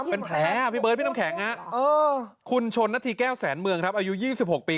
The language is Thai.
เป็นแผลพี่เบิร์ดพี่น้ำแข็งคุณชนนาธิแก้วแสนเมืองครับอายุ๒๖ปี